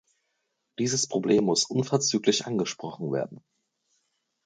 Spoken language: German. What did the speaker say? Dieses Problem muss unverzüglich angesprochen werden.